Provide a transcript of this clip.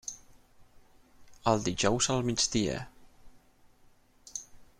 El dijous al migdia.